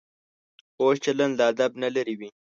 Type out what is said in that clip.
کوږ چلند له ادب نه لرې وي